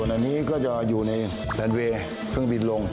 อันนี้ก็จะอยู่ในแลนเวย์เครื่องบินลง